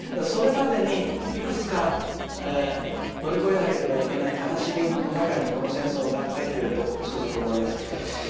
それまでに、いくつか乗り越えなければいけない悲しみの中にこの戦争が入っているとつくづく思います。